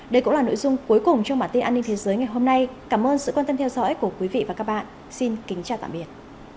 đây cũng là nội dung cuối cùng trong bản tin an ninh thế giới ngày hôm nay cảm ơn sự quan tâm theo dõi của quý vị và các bạn xin kính chào tạm biệt